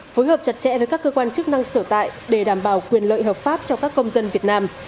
phối hợp chặt chẽ với các cơ quan chức năng sở tại để đảm bảo quyền lợi hợp pháp cho các công dân việt nam